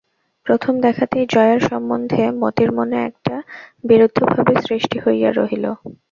প্রথম দেখাতেই জয়ার সম্বন্ধে মতির মনে একটা বিরুদ্ধভাবের সৃষ্টি হইয়া রহিল।